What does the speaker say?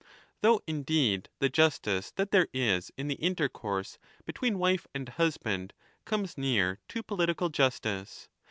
Though, indeed, the justice that there is in the intercourse between wife and husband comes near to political justice.